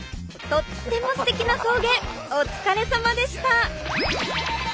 とってもすてきな送迎お疲れさまでした！